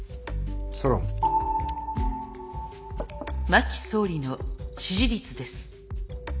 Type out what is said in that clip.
真木総理の支持率です。